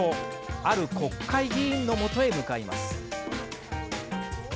ある国会議員のもとへ向かいます。